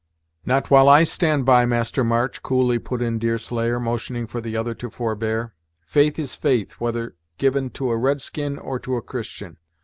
"Not while I stand by, Master March," coolly put in Deerslayer, motioning for the other to forbear. "Faith is faith, whether given to a red skin, or to a Christian.